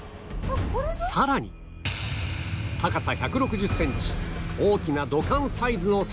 さらに高さ１６０センチ大きな土管サイズの装置だと